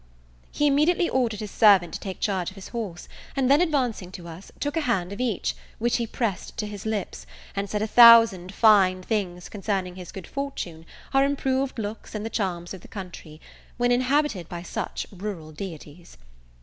He immediately ordered his servant to take charge of his horse; and then, advancing to us, took a hand of each, which he pressed to his lips, and said a thousand fine things concerning his good fortune, our improved looks, and the charms of the country, when inhabited by such rural deities.